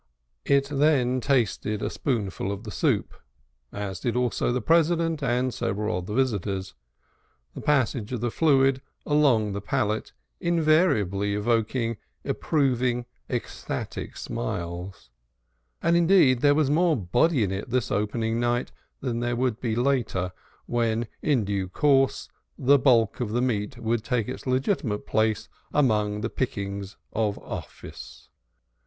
It then tasted a spoonful of the soup, as did also the President and several of the visitors, the passage of the fluid along the palate invariably evoking approving ecstatic smiles; and indeed, there was more body in it this opening night than there would be later, when, in due course, the bulk of the meat would take its legitimate place among the pickings of office.